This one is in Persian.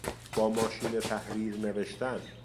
با ماشین تحریر نوشتن